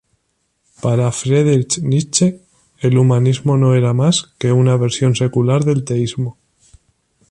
Para Friedrich Nietzsche, el humanismo no era más que una versión secular del teísmo.